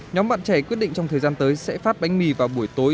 nhóm bạn trẻ quyết định trong thời gian tới sẽ phát bánh mì vào buổi tối